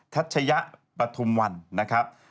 ัชยะปฐุมวันนะครับ